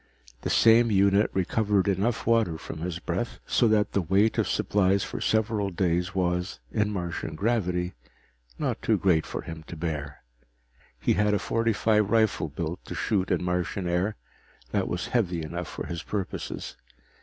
The same unit recovered enough water from his breath so that the weight of supplies for several days was, in Martian gravity, not too great for him to bear. He had a .45 rifle built to shoot in Martian air, that was heavy enough for his purposes.